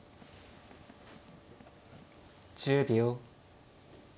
１０秒。